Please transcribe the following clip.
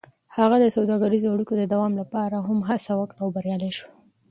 هغه د سوداګریزو اړیکو د دوام لپاره هم هڅه وکړه او بریالی شو.